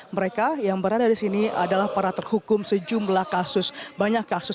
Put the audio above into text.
mereka yang berada di sini adalah para terhukum sejumlah kasus banyak kasus